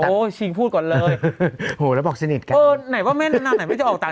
อ๋อโหชิงพูดก่อนเลยหูแล้วบอกเอ่อไหนว่าแม่น่าไหนไม่จะออกต่าง